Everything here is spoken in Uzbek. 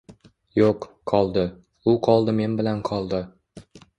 Yo’q, qoldi… u qoldi men bilan qoldi…